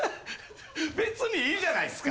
別にいいじゃないっすか。